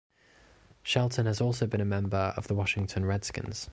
Shelton has also been a member of the Washington Redskins.